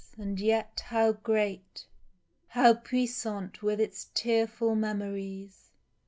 and yet how great, How puissant with its tearful memories